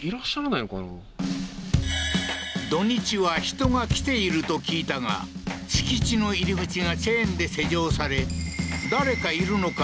土日は人が来ていると聞いたが敷地の入り口がチェーンで施錠され誰か居るのか